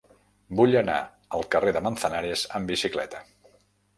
Vull anar al carrer de Manzanares amb bicicleta.